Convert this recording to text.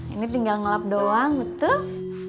ini tinggal ngelap doang betul